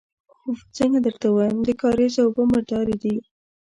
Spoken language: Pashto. اوف! څنګه درته ووايم، د کارېزه اوبه مردارې دي.